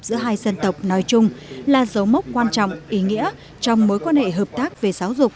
giữa hai dân tộc nói chung là dấu mốc quan trọng ý nghĩa trong mối quan hệ hợp tác về giáo dục